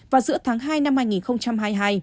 vào giữa tháng hai năm hai nghìn hai mươi hai